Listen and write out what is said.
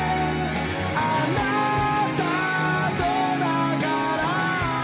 「あなたとだから」